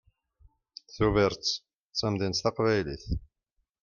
Tubiret d tamdint taqbaylit.